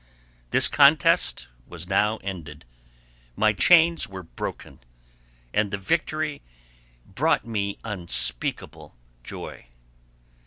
This contest was now ended; my chains were broken, and the victory brought me unspeakable joy.